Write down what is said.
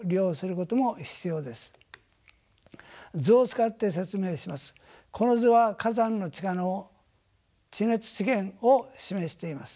この図は火山の地下の地熱資源を示しています。